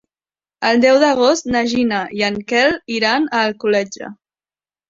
El deu d'agost na Gina i en Quel iran a Alcoletge.